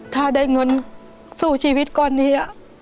ถ้าได้เงินสู้ชีวิตก้อนนี้